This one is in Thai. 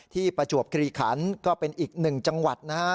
ที่ประจวบกรีขันก็เป็นอีก๑จังหวัดนะฮะ